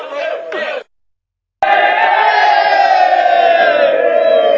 สัตว์